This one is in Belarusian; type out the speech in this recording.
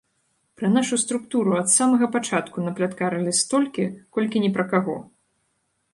Пра нашу структуру ад самага пачатку напляткарылі столькі, колькі ні пра каго.